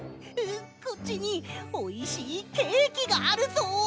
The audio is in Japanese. こっちにおいしいケーキがあるぞ。